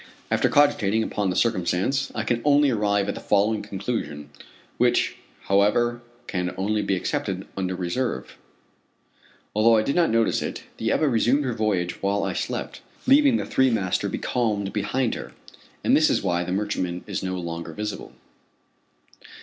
After cogitating upon the circumstance I can only arrive at the following conclusion, which, however, can only be accepted under reserve: Although I did not notice it, the Ebba resumed her voyage while I slept, leaving the three master becalmed behind her, and this is why the merchantman is no longer visible.